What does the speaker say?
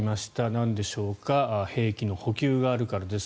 なんでしょうか兵器の補給があるからです。